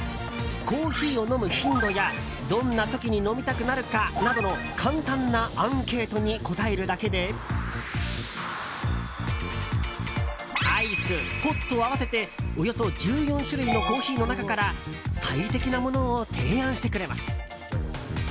コーヒーを飲む頻度やどんな時に飲みたくなるかなどの簡単なアンケートに答えるだけでアイス、ホット合わせておよそ１４種類のコーヒーの中から最適なものを提案してくれます。